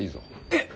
えっ！